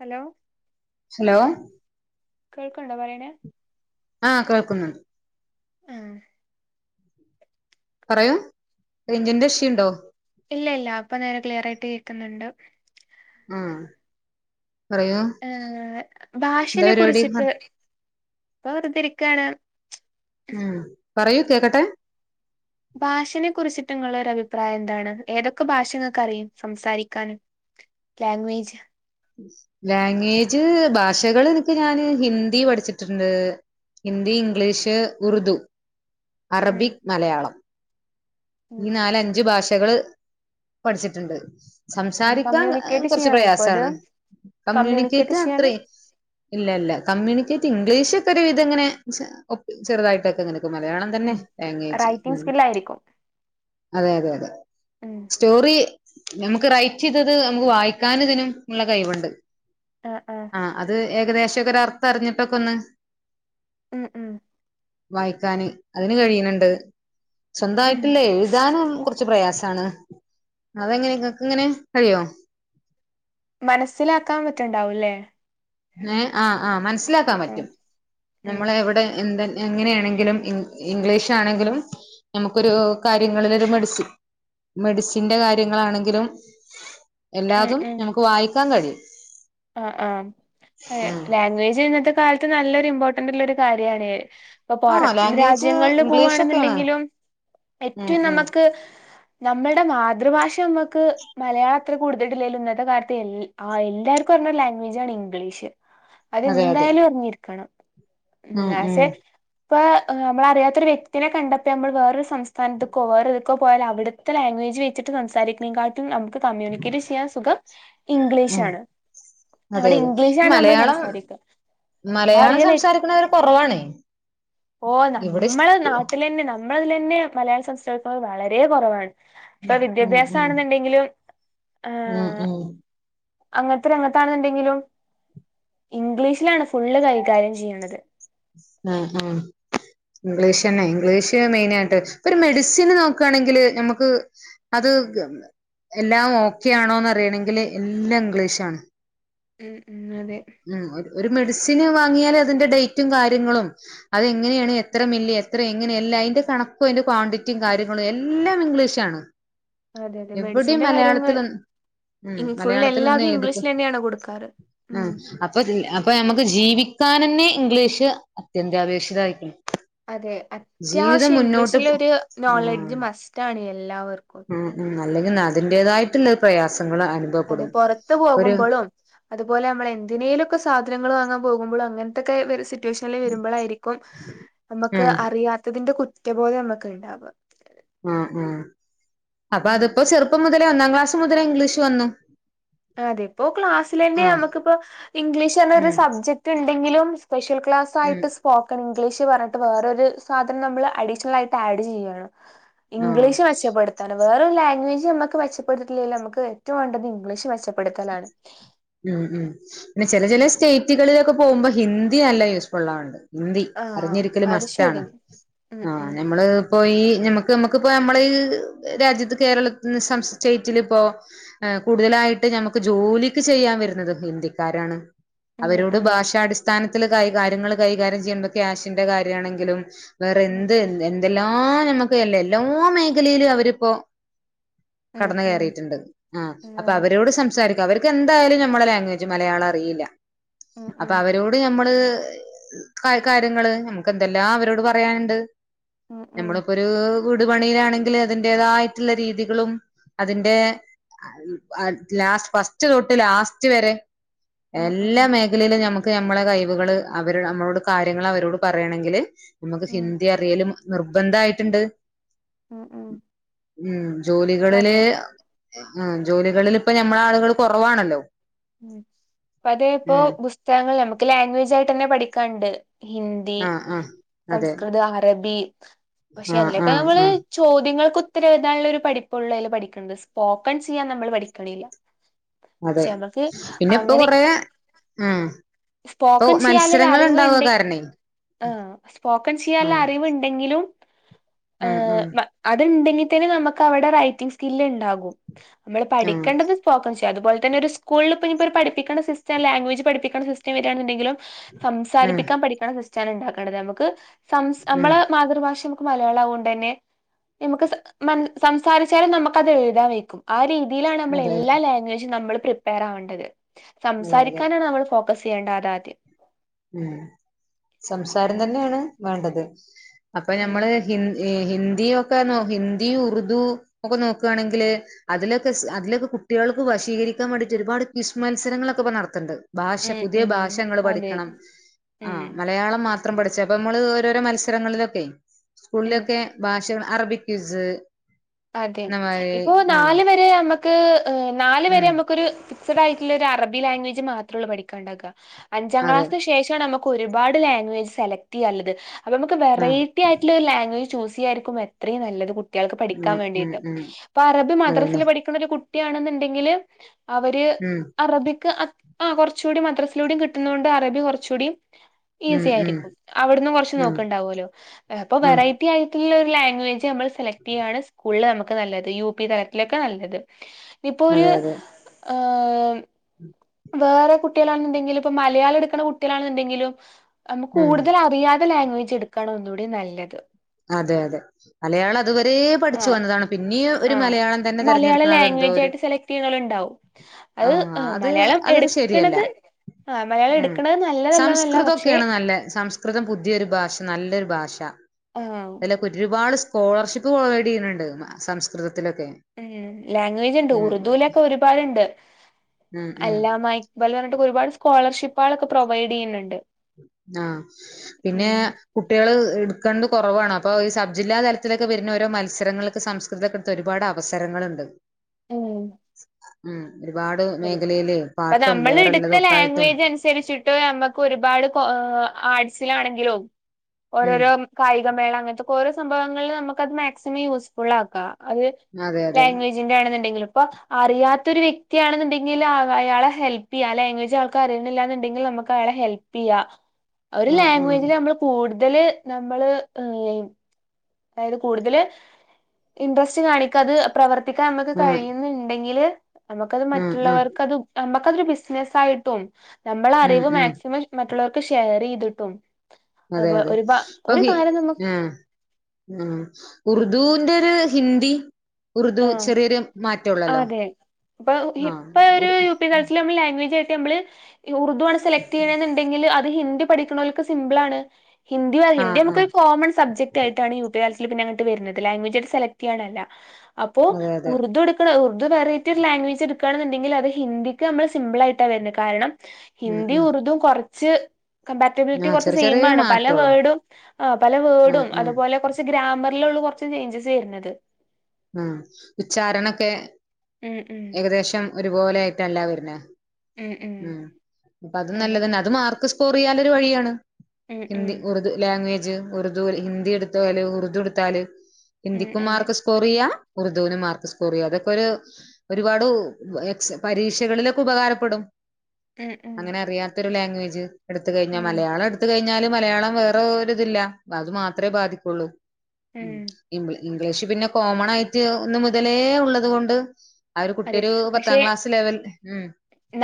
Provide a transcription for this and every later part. Hello hello കേൾക്ക്ണ്ടോ പറ്യണെ ആഹ് കേൾക്ക്ന്നുണ്ട് ആഹ് പറയൂ ആഹ് റേഞ്ചിന്റെ ഇഷ്യുണ്ടോ ഇല്ല ഇല്ല അപ്പൊ നേരെ ക്ലിയർ ആയിട്ട് കേക്ക് ക്കുന്ന്ണ്ട് ആഹ് പറയൂ ഏഹ് എന്താ ഭാഷനെ പരിപാടി ഇന്ന് കുറിച്ചിട്ട് ഇപ്പൊ വെറുതിരിക്കാണ് ഉം പറയൂ കേക്കട്ടെ. ഭാഷേനെ കുറിച്ചി ട്ടിങ്ങളൊരു അഭിപ്രായം എന്താണ് ഏതൊക്കെ ഭാഷ നിങ്ങൾക്ക് അറിയും സംസാരിക്കാനും ലാംഗ്വേജ്? ലാംഗ്വേജ് ഭാഷകൾ എനിക്ക് ഞാന് ഹിന്ദി പഠിച്ചിട്ടെണ്ട്. ഹിന്ദി, ഉം ഇംഗ്ലീഷ്. ഉറുദു. ഉം അറബിക്, മലയാളം. ഉം ഈ നാലഞ്ചു ഭാ ഷകള് പഠിച്ചിട്ടിണ്ട്. ഉം സംസാരിക്കാൻ ഏഹ് കമ്മ്യൂണിക്കേറ്റ് കുറച്ച് ചെയ്യാൻ വയ്ക്കോ അത് പ്രയാസാണ്. കമ്മ്യൂണിക്കേറ്റ് അത്ര ഇല്ല ഇല്ല കമ്മ്യൂണിക്കേ ഇംഗ്ലീഷ് ഒക്കെ ഒരു വിധം ഇങ്ങനെ ചെ ഒപ് ചെറുതായിട്ടൊ‌ക്കിങ്ങന ക്കെ മലയാളം തന്നെ ഉം ലാംഗ്വേജ് റൈറ്റിംഗ് ഉം. സ്കില്ലായിരിക്കും അതെ അതെ അതെ ഉം സ്റ്റോറീ ഞമ്മുക്ക് റൈറ്റ് ചെയ്തത് നമുക്ക് വായിക്കാനും ഇതിനും ഉള്ള കഴിവെണ്ട്. ആഹ് ആഹ് ഏകദേശൊക്കെ ഒരർത്ഥം അറിഞ്ഞിട്ടൊക്കെ ഒന്ന്. ഉം ഉം വായിക്കാന് അതിന് കഴിയണെണ്ട് സ്വന്ത ഉം ഇല്ലേ എഴുതാനും കുറച്ച് പ്രയാസ താണ് അതെങ്ങനെ ഇങ്ങക്ക് എങ്ങനെ കഴിയോ? മനസ്സിലാക്കാൻ പറ്റാണ്ടാവൂല്ലേ ഏഹ് ആഹ് ആ മനസ്സിലാക്കാൻ പറ്റും ഉം നമ്മളെവിടെ ഇണ്ടെൻ എങ്ങനേണെങ്കിലും ഇൻ ഇംഗ്ലീഷാണെങ്കിലും നമുക്കൊരു കാര്യങ്ങളിലൊരു മെഡിസി മെഡിസിന്റെ കാര്യങ്ങളാണെങ്കിലും ഉം എല്ലാതും ഉം ഞമുക്ക് വായിക്കാൻ കഴിയും. ആഹ് ആഹ് അതെ ഉം ലാംഗ്വേജ് ഇന്നത്തെ കാലത്ത് നല്ലൊരു ഇമ്പോർട്ടന്റുള്ളൊരു കാര്യാണ്. ഇപ്പൊ ആഹ് പൊറം ലാംഗ്വേജ് രാജ്യങ്ങളിള് ഇംഗ്ലീഷൊക്കെയാണ് പോവാണന്നെണ്ടെങ്കിലും ഉം ഏറ്റവും ഉം നമുക്ക് നമ്മളുടെ മാതൃഭാഷ നമ്മക്ക് മലയാളത്ര കൂടുത്തട്ടില്ലേലും ഇന്നത്തെ കാലത്ത് എ അ എല്ലാർ ക്കറിഞ്ഞ ലാംഗ്വേജാണ് ഇംഗ്ലീഷ്. അതെ അതെ അതെന്തായാലും അറിഞ്ഞിരിക്കണം ഇം ഉം ഉം ആസ് എ ഇപ്പ നമ്മളറിയാത്ത ഒര് വ്യക്തിനെ കണ്ടപ്പോ നമ്മള് വേറൊരു സംസ് [unintelligible] ഒക്കെ പോയാല് അവിടുത്തെ ലാംഗ്വേജ് വച്ചിട്ട് സംസാരിക്ക്നെ ക്കാട്ടും നമു ക്ക് കമ്യൂണിക്കേറ്റ് ചെയ്യാൻ സുഖം ഉം ഇംഗ്ലീഷാണ്. അതെ അവിടെ അതെ ഇംഗ്ലീഷാണ് നമ്മൾ മലയാളം സംസാരിക്കുക മലയാളം അറിയൽ സംസാരിക്ക്ണവര് കൊറവാണ്. ഓ ഇവിടെ നമ്മളെ ഇ നാട്ടിലന്നെ നമ്മളതിലന്നെ മലയാളം സംസാരിക്കുന്നവര് വളരെ കൊ റവാണ്. ഇപ്പൊ ഉം വിദ്യാഭ്യാസ ഉം ആണെന്നുണ്ടെങ്കിലും ആ ഉം ഉം അങ്ങ ഇത്ര അംഗത്താണെന്നുണ്ടെങ്കിലും ഇംഗ്ലീഷ്ലാണ് ഫുള്ള് കൈകാര്യം ചെയ്യണത്. ആഹ് ആഹ് ഇംഗ്ലീഷന്നെ ഇംഗ്ലീഷ് മെയിനായിട്ട് ഒരു മെഡിസിന് നോക്കാണെങ്കില് നമ്മുക്ക് അത് എല്ലാം ഓക്കെ ആണോന്ന് അറിയണങ്കില് എല്ലാം ഇംഗ്ലീഷാണ്. ഉം ഉം അതെ മ് ഒര് ഒരു മെഡിസിന് വാങ്ങിയാല് അതിൻ്റെ ഡേറ്റും കാര്യങ്ങളും അതെങ്ങനെയാണ് എത്രമില്ലി എത്ര എങ്ങനെ എല്ലാം അതിൻ്റെ കണക്കും അതിൻ്റെ ക്വാണ്ടിറ്റിയും കാര്യങ്ങളും എല്ലാം ഇംഗ്ലീഷാണ്. അതെ അതെ എവിടെയും മെഡിസിന്റെ കാര്യങ്ങൾ മലയാളത്തിലൊ ഉം ഇം ഫുൾ മലയാളത്തിലൊന്നും എല്ലാതും എഴുതി ഇംഗ്ലീഷിൽ തന്നെയാണ് കൊടുക്കാറ്. ഉം ആഹ് അപ്പ അപ്പ നമ്മക്ക് ജീവിക്കാൻ നന്നെ ഇംഗ്ലീഷ് അത്യന്താപേക്ഷിതായിരിക്കും. അതെ ജീവിതം അത്യാവശ്യം മുന്നോട്ട് ഇംഗ്ലീഷിലൊരു ആഹ് നോളജ് മസ്റ്റ് ആണ് എല്ലാവർക്കും. പ്രയാസ അതെ പൊറത്ത് പോക്മ്പളും അത് അതുപോലെമ്മള് എന്തിനേലൊക്കെ സാധനങ്ങള് വാങ്ങാൻ പോകുമ്പോളും അങ്ങൻ ത്തെക്കെ വേറെ സ് ട്യൂഷൻല് വരുമ്പോളായിരിക്കും നമുക്ക് ഉം അറിയാത്തതിന്റെ കുറ്റ മറ്റേ പോലെ നമ്മക്ക് ഉണ്ടാവ. ആഹ് ആഹ് അപ്പ ഉം അതിപ്പ ചെറുപ്പം മുതൽ ലെ ഒന്നാം ക്ലാസ്സ്‌ മുതലെ ഇംഗ്ലീഷ് വന്നു. അതെ ഇപ്പോ ക്ലാസ്സിലന്നെ ആഹ് നമ്മക്കിപ്പോ ഇംഗ്ലീഷ് എന്നൊരു ഉം സബ്ജക്ട് ഇണ് എന്തെങ്കിലും സ്പെഷ്യൽ ക്ലാസ് ഉം ആയി്ട്ട് സ്പോക്കൻ ഇം ഇംഗ്ലീഷ് പറഞ്ഞിട്ട് വേറൊരു സാധനം നമ്മള് അഡീഷണൽ ആയിട്ട് ആഡ് ചെയ്യാണ്. ആഹ് ഇംഗ്ലീഷ് മെച്ചപ്പെടുത്താനും വേറൊരു ലാംഗ്വേജ് നമ്മക്ക് മെച്ചപ്പെടുത്തിട്ടില്ലെലു നമ്മക്ക് ഏറ്റവും വാണ്ടത് ഇംഗ്ലീഷ് മെച് മ് മ് പിന്നെ ചെല ഉം ചെല സ്റ്റേറ്റ്കളിലൊക്കെ പോകുമ്പോ ഹിന്ദി നല്ല യൂസ്ഫുൾ ആൻണ്ട്. ഹിന്ദി ആഹ് അറിഞ്ഞിരിക്കല് അത് മസ്റ്റാണ്, ശരിയാണ് ഉം ആ ഉം ഞമ്മള് പോയി ഞമ്മ നമുക്കിപ്പോ നമ്മള് ഈ രാജ്യത്ത് കേരളത്തിന് സം സ്റ്റേറ്റിലിപ്പോ കൂടുതലായി ട്ട് ഞമ്മുക്ക് ജോലിക്ക് ചെയ്യാൻ വരുന്നത് ഹിന്ദിക്കാരാണ്. ഉം അവരോട് ഉം ഭാഷാടിസ്ഥാന ത്തില് കൈ കാര്യങ്ങള് കൈകാര്യം ചെയ്യുമ്പോ ക്യാഷിന്റെ കാര്യാണെങ്കിലും വേറെ ഉം എന്ത് എന്തെല്ലാം ആ ഞമ്മുക്ക് അല്ലേ എല്ലാ മേഖലയിലും അവരിപ്പോ കടന്ന് ഉം കയറിയിട്ടുണ്ട് അ അപ്പ ഉം അവര് സംസാരിക്കാം അവരിക്ക് എന്തായാലും നമ്മള ലാംഗ്വേജ് മലയാളം അറിയില്ല. ഉം ഉം അതെ ഉം ഉം അപ്പൊ ഉം അവരോട് ഞമ്മള് ക കാര്യങ്ങള് നമുക്ക് എന്തെല്ലാം അവരോട് പറയാനുണ്ട് ഉം ഉം നമ്മളിപ്പൊരൂ വീട് പണിയിലാണെങ്കിൽ അതിന്റെതായിട്ടുള്ള രീതികളും അതിന്റെ ആ ഇ [unintelligible] ലാസ്റ്റ് ഫസ്റ്റ് തൊട്ട് ലാസ്റ്റ് വരെ ഉം എല്ലാ മേഖലയിലും ഞമു ക്കെ നമ്മളെ കഴിവുകൾ അവര് അമ്മളോട് കാര്യങ്ങള് അവരോട് പറയണെങ്കിൽ നമുക്ക് ഉം സിന്ദി അറിയലും നിർബന്ധ ആയിട്ട്ണ്ട് ഉം ഉ ഉം ജോലികളില് ഉം ജോലികളിൽ ഇപ്പ ഞമ്മള ആളുകൾ കൊറവാണല്ലോ ഉം ഇപ്പതേ ഇപ്പോ പുസ്തകങ്ങൾ ഞമക്ക് ലാംഗ്വേജ് ആയ്ട്ടെന്നെ പഠിക്കാണ്ട് ഹിന്ദി ആഹ് ആഹ് അതെ സംസ്കൃത അറബി പക്ഷെ ആഹ് അതിലൊക്കെ ആഹ് നമ്മള് ആഹ് ചോദ്യങ്ങൾക്ക് ഉത്ത ഇത്തിരി എഴ്താൻള്ളരു പഠിപ്പുള്ളയ്ല് പഠിക്ക്ണ്ത് സ്പോക്കൺ ചെയ്യാൻ നമ്മൾ പഠിക്ക്ണില്ല അതെ പിന്നെ ഇപ്പൊ കൊറെ ഉം സ്പോക്കൺ ചെയ്യാൻല്ലൊരു അറിവ്ണ്ട് കാരണേ ആഹ് സ്പോക്കൺ ചെയ്യാല്ല ആഹ് അറിവുണ്ടെങ്കിലും ഉം ആഹ് ഉം ബ അത് ഇണ്ടെങ്കി ത്തിന് നമക്ക് അവടെ റൈറ്റിംഗ് സ്കില്ല് ഇണ്ടാകും നമ്മള് ആഹ് പഠിക്കേണ്ടത് സ്പോക്കൺസ് അതുപോലെ തന്നെ ഒരു സ്കുളിൽ ഇപ്പ ഇനി ഇപ്പൊരു പഠിപ്പിക്കണ സിസ്റ്റം ലാംഗ്വേജ് പഠിപ്പിക്കണ സിസ്റ്റം ഒക്കെ വരാന്നുണ്ടെങ്കിലും ഉം സംസാരിപ്പിക്കാൻ പഠിക്കണ സിസ് റ്റാണ് ഉണ്ടാക്കേണ്ടത് നമുക്ക് സംസ് ഉം നമ്മളെ മാതൃഭാഷ മലയാളം ആവോണ്ട് തന്നെ നമുക്ക് സംസാരിച്ചാലും നമുക്കത് എഴുതാൻ വെയ്ക്കും ആ രീതി ഇന്ത്യയിലാണ് നമ്മൾ അതെ അതെ എല്ലാ ലാംഗ്വേജും നമ്മൾ പ്രിപ്പയർ ആവേണ്ടത് അതെ അതെ സംസാരിക്കാനാണ് നമ്മള് ഫോ ക്കസ് ചെയ്യേണ്ടതാദ്യം ഉം സംസാരം തന്നെയാണ് വേണ്ടത് അപ്പൊ ഉം നമ്മള് ഹിന് ഏ ഹിന്ദ ഇ ഒക്കെ നോ ഹിന്ദി, ഉറുദു ഒക്കെ നോക്കുയാണെങ്കില് അതിലൊക്കെ സ് അതിലൊക്കെ കുട്ടികൾക്ക് വശീകരിക്കാൻ വേണ്ടിയിട്ട് ഒരുപാട് ക്വിസ് മത്സരങ്ങളൊക്കെ ഇപ്പം നടത്തുണ്ട്. ഭാഷ ഉം പുതിയ ഉം ഭാഷ ഇങ്ങള് അതെ പഠിക്കണം. ഉം ആഹ് മലയാളം മാ ത്രം പഠിച്ചു അപ്പ നമ്മള് ഓരോരോ മത്സരങ്ങളിലൊക്കെയ് ഉം സ്കൂളിലൊക്കെ ഭാഷ അറബി ക്വിസ് അതെ എന്നമാരി ഇപ്പോ ആഹ് നാല് വരെ നമ്മ ക്ക് ഏ നാല് വരെ ഉം നമ്മക്കൊരു ക്സഡായിട്ടുള്ളൊരു അറബി ലാംഗ്വേജ് മാത്രേള്ളൂ പഠിക്കണ്ടാക. അഞ്ചാം അതെ ക്ലാസിന് ശേഷം ആണ് നമ്മ ക്ക് ഒരുപാട് ലാംഗ്വേജ് സെലക്ട് ചെയ്യാനിള്ളത്. അപ്പ നമുക്ക് ആഹ് വെറൈറ്റി ആയിട്ടുള്ള ഒരു ലാംഗ്വജ് ചൂസ് ചെയ്യായിരിക്കും എത്രയും നല്ലത് കുട്ട്യാ ക്കാൻ ഉം ഉം വേണ്ടീട്ട് ഉം അപ്പ അറബി അതന്നെ മദ്രാസില് പഠിക്കണ ഒരു കുട് ട്ടി ആണെന്ന്ണ്ടെങ്കില് അവര് ഉം അറബിക്ക് അ ആഹ് കുറച്ചുകൂടി മദ്രാസിലൂടെയും കിട്ടുന്നോണ്ട് അറബി കൊറച്ചുകൂടിം ഉം ഈസി ഉം ആയിരിക്കും, അവിടന്ന് കൊറച്ച് ഉം നോക്കണ്ടാവുല്ലോ എഹ് അപ്പോ ഉം വെറൈറ്റി ആയിട്ടുള്ള ഒ ലാംഗ്വേ ഇത് നമ്മൾ സെലക്ട് ചെയ്യാണ് സ് ഉള്ള് നമുക്ക് നല്ലത് യു പി തലത്തിലൊക്കെ നല്ലത് ഇപ്പോ ഒര് ആഹ് ഉം ഉം വേറെ കുട്ട്യേളാണ് ന്ന്ണ്ടെങ്കിലും ഇപ്പൊ മലയാളം ഇട്ക്ക്ണ കുട്ട്യേളാണ് ണെന്ന്ണ്ടെങ്കിലും നമുക്ക് ഉം കൂടുതൽ അറിയാത ലാംഗ്വ ഇടുക്കാണ് ഒന്നൂടി നല്ലത് അതെ അതെ മലയാളം അതുവരേ പ് പഠിച്ചു ആഹ് വന്നതാണ് പിന്നീ ഒര് ആഹ് മലയാളം തന്നെ മലയാളം തെരെഞ്ഞെടുക്ക്ണ അതെന്തോ ലാംഗ്വേജ് ഒര് ആയിട്ട് സെലക്ട് ചെയ്യണോലുണ്ടാവും അത് ആഹ് അത് മലയാളം അത് ഒരു ശരിയല്ല. എടുക്കണത് ആഹ് മലയാളം ഉം എടുക്കണത് നല്ലതല്ലാന്നല്ല പക്ഷെ സംസ്കൃതൊക്കേണ് നല്ല സംസ്കൃതം പുതിയൊരു ഭാഷ നല്ലെരു ഭാഷ ആഹ് അതിലൊക്കെ ഒരുപാട് സ്കോളർഷിപ്പ് പ്രൊവൈഡ് ചെയ്യ്ണ് ണ്ട് സംസ്കൃത ഉം ലാംഗ്വേജ് ണ്ട് ഉറുദുലൊക്കെ ഒരുപാട്ണ്ട് ഉം ഉം അല്ല മായക്ബൽ പർഞ്ഞിട്ട് ഒരുപാട് സ്കോളർഷി പ്പാളൊക്കെ പ്രൊവൈഡെയ്യ്ന്ന്ണ്ട്. ആഹ് പിന്നെ കുട്ട്യാള് എ കണ്ട് കൊറവാണ് അപ്പോ ഈ സബ്ജില്ലാ തലത്തിലൊക്കെ വര്ന്ന ഓരോ മത്സരങ്ങൾക്ക് സംസ്കൃതക്കെടുത്ത് ഒരുപാട് അവസരങ്ങളുണ്ട്. ഉം ഉം ഒരുപാട് അതെ മേഖലയില് അപ്പൊ പാട്ടും വേറെല്ലതൊക്കെ ആയിട്ടും ടെ നമ്മുക്ക് ഒരുപാട് ആർട്സിലാണെങ്കിലും ഉം ഓരോരൊ കായി ഗമേള അങ്ങനത്തൊക്കെ ഓരോ സംഭവങ്ങളില് നമുക്കത് മാക്സിമം യൂസ്ഫുൾ ആക്കാം. അത് അതെ അതെ. ലാംഗ്വേജിന്റെ ആണെന്നുണ്ടെങ്കിലും. അപ്പൊ അറിയാത്തൊരു വ്യ ക്തിയാണെന്നുണ്ടെങ്കില് അയാളെ ഹെൽപെയ്യാലേ ലാംഗ്വേജ് അയാൾക്കറിയുന്നില്ലന്നുണ്ടെങ്കിൽ നമക്കയാളെ ഹെൽപെയ്യാ. ഒരു ആഹ് ലാംഗ്വേജില് ആഹ് ലമ്മൾ കൂടു ഇതില് നമ്മള് അതായത് കൂടുതൽ ഇൻട്രസ്റ്റിംഗ ആണിക്ക അത് പ്രവർ ത്തിക്കാംനമുക്ക് ആഹ് കഴിയുന്നുണ്ടെങ്കില് നമുക്കത് ആഹ് ആഹ് മറ്റുള്ളവർക്ക് അത് നമ അതൊരുബിസിനസ് ആയിട്ടും നമ്മള ഉം അറിവ് ഉം മാക്സിമം മറ്റുള്ളവർക്ക് ഷെയറീത് തിട്ടും അതെ അതെ അപ്പ ഹി നമുക്ക് ആഹ ഉ ഉർദുവിന്റെ ഒരു ഹിന്ദി ഉറുദു ആ ചെറിയൊരു മാറ്റൊള്ളല്ലോ അതെ ഇപ്പൊ ആഹ് ഇപ്പൊ ഒരു ഉർ യു പി കളസിൽ നമ്മള് ലാംഗ്വേജ് ആ മ്മൾ ഉർദു ആണ് സെക്ട് ചെയ്യണെന്നണ്ടെങ്കിൽ അ ത് ഹിന്ദി പഠിക്കുന്നവക്കക്ക് സിമ്പിൾ ആണ് ഹിന്ദി ഹിന്ദി ആഹ് നമുക്ക് ആഹ് കോൺ സബ്ജക് ആയിട്ടാണ് യു പി ൽ പിന്നെ അങ്ങട്ട് വരുന്നത് ലാംഗ്വേജ് സെലക്ട് ചെയ്യാനല്ല അപ്പോ അതെ അതെ ഉറുദ എടുക്കണ ഉ അത് വറൈറ്റി ലാംഗ്വേജ എടുക്കുകണുണ്ടങ്കിൽ അത് ഹിന്ദിക്ക് നമ്മൾ സിമ്പിൾ ആയിട്ട വരുന്നത് കാരണം ഉം ഹിന്ദിയും ഉം ഉറുദും കൊറ ചെ കമ്പാറ്റബിലിറ്റി ആഹ് കുറച്ച് ചെറിയ സെയിം ചെറിയ ആണ് പല മാറ്റൊള്ളു വേഡും പല ആഹ് വേർഡും ആഹ് അതുപോലെ കുറച്ച് ഗ്രാമർ യ് ലൊ ള്ളു കുറച്ച ചേഞ്ചസ് വരുന്നത് ആ ഉച്ചാരണൊക്കെ ഉം ഉം ഏകദേശം ഒരുപോലെ ആയിട്ടല്ലാ വരുന്ന ഉം അപ്പ അത് അതെ നല്ലതന്നെ അത് മാർക്ക് കൊറിയാന്റെരു വഴിയാണ് ഉം ഉം ഹിന്ദി ഉറുദു ലാംഗ്വേജ് ഉറുദു ഹിന്ദി എടുത്താല് ഉറുദു എടുത്താല് ഉം അതെ ഹിന്ദിക്കുംമാർക്ക് യാഹ് ഉർദുവിനും മാർക്ക് സ്കോറിയ അതൊക്കെ ഒരു ഒരുപാടു എകസ് പരീക്ഷകളിലൊക്കെ ഉപകാരപ്പെടും ഉം ഉം അങ്ങനെ അറിയാത്തൊരു ലാംഗ്വേജ് ജ്ജ് എടുത്ത് കഴിഞ്ഞാ ഉം മലയാളടുത്ത് കഴി കഴിഞ്ഞാല് മലയാളം വേറെ ഒര്തില്ല അത് മാത്രേ ബാധിക്കൊള്ളൂ. ഉം ഇമ്മ്ള് ഇംഗ്ലീഷ് പിന്ന കോമണായിട്ട് ഒന്ന് മുതലേ ഉള്ളത് കൊണ്ട് ആ ഒരു അതെ കുട്ടിയൊരു പക്ഷെ പത്താം ക്ലാസ് ലെവൽ ഉം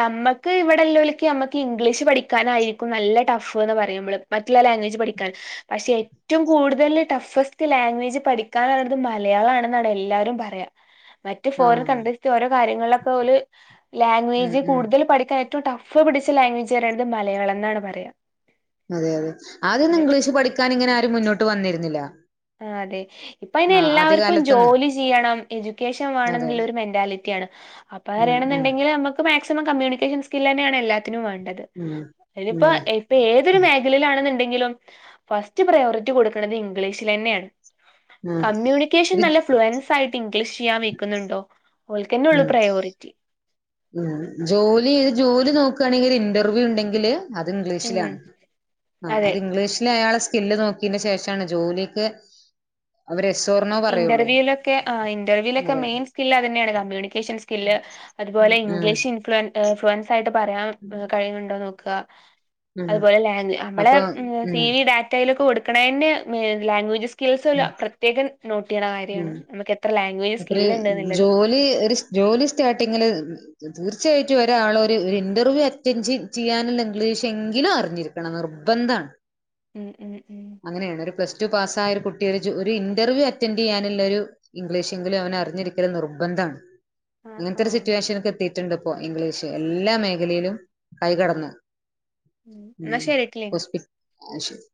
നമ്മക്ക് ഇവടെല്ലോല്ക്ക് നമ്മക്ക് ഇംഗ്ലീഷ് പഠി ക്കാനായിരിക്കും നല്ല ടഫ് എന്ന് പറയുമ്പൾ മറ്റുള്ള ലാംഗ്വേജ് പഠിക്കാൻ പക്ഷെ ഏറ്റവും കൂടുതൽ ടഫസ്റ്റ് ലാംഗ്വേജ് പഠിക്കാനുള്ളത് മലയാളം ആണെന്നാണ് എല്ലാരും പറ്യ. മറ്റ് ഫോറിൻ ആഹ് കൺട്രി ഒരോ കാര്യങ്ങൾലൊകെ ഓല് ഉം ലാഗ്വേജ് ഉം കൂടുതൽ പടിക്കാ ഏറ്റവും ടഫ് പിടിച്ച ലാംഗ്വേജ് പറ്യണത് മലയാളം എന്നാണ് പറയ അതെ അതെ ആദ്യൊന്നും ഇംഗ്ലീഷ് പഠിക്കാൻ ഇങ്ങനെ ആരും മുന്നോട്ട് വന്നിരി നില ആഹ് അതെ ഇപ്പ അയിനെ എല്ലാവർക്കും കാലത്തൊന്നും ജോലി ചെയ്യണം എജ്യുക്കേഷൻ വേണം അതെ എന്നുള്ളൊരു മെന്റാലിറ്റി ആണ് അപ്പൊ ഉം ഉം അറിയണെന്നുണ്ടെങ്കിൽ നമുക്ക് മാക്സി കമ്മ്യൂണിക്കേഷൻ സ്കില്ലെന്നേണ് എല്ലാ ത്തിനുവേണ്ടത് ഉം ഇതിപ്പോ ഉം എപ്പൊ ഏതൊരു മേഖലയിലാണ്ന്നുണ്ടെ ങ്കിലും ഫസ്റ്റ് പ്രയോറിറ്റി കൊടുക്ക്ണത് ഇംഗ്ലീഷ് ഇതിലെനേണ് ഉം കമ്മ്യൂണിക്കേഷൻ ഒരു നല്ല ഫ്ലുവൻസ് ആയിട്ട് ക്ലിഷ് യ്യാൻ വെക്കുന്നുണ്ടോ ഓല്ക്കെന്നെ ഒള്ളൂ ഉം പ്രയോറിറ്റി ഉം ജോലീത് ജോലി നോക്കാണെങ്കിൽ ഇന്റർവ്യൂ ഉണ്ടെങ്കില് അത് ഉം ഇംഗ്ലീഷിലാണ് ആഹ് അതെ അത് ഇംഗ്ലീഷില അയാള് സ്കില്ല് നോക്കീന്റെ ശേഷാണ് ജോലിക്ക് അവര് എസ് ഓർ നോ പറയുള്ളൂ ഇന്റർവ്യൂലൊക്കെ ആ ഇന്റർവ്യൂലൊക്കെ അതെ മെയിൻ സ്കില്ല് അതന്നെയാണ് കമ്മ്യൂണിക്കേഷൻ സ്കില്ല് അത് തുപോലെ ഉം ഇംഗ്ലീഷ് ഇൻഫ്ലുവൻ ഏഹ്ഫൺ വ്യക്തായിട്ട് പറയാൻ കയ്യിണ് ണ്ടോ നോ ക ഉം അതുപോലെ ലാങ് അമ്മളെ അപ്പൊ സി ഉം വി ഡാറ്റയിലൊക്കെ കൊടുക് ക്കണേന്നെ ലാംഗ്വേജസ് കിൽസുള്ള പ്രത്യേകൻ കുട്ട്യാളെ കാര്യാണ് നമ്മക്ക് എത്ര ലാംഗ്വേജ് അത്രി സ്കില്ല് ഉണ്ട്ന്നുള്ളത് ജോലി ഒരു ജോലി സ്റ്റാർട്ടിങ്ങില് തീർച്ചയായിട്ടും ഒരാള് ഒരു ഇന്റർവ്യൂ അറ്റൻഡ് ചെയ്യാനുള്ള ഇംഗ്ലീഷ് എങ്കിലും അറിഞ്ഞിരിക്കണം നിർബന്ധാണ് ഉം ഉം ഉം അങ്ങനെയാണ് ഒരു പ്ലസ് ടു പാസ്സായ ഒരു കുട്ടി ഒരു ചോഒരു ഇന്റർവ്യൂ അറ്റൻഡ്യ്യാനുള്ളൊരു ഇംഗ്ലീഷ് എങ്കിലും അവന് അറിഞ്ഞിരിക്കല് നിർബന്ധാണ് ആ ആ അങ്ങൻത്തെ ഒരു സിറ്റുവേഷൻക്ക് എത്തി റ്റിണ്ട് പ്പോ ഇംഗ്ലീഷ് എല്ലാ മേഖലയിലും കൈകടന്ന് എന്നാ ശരീട്ട് ലീ ആഹ് ശരി